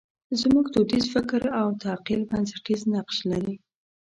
زموږ دودیز فکر او تعقل بنسټیز نقش لري.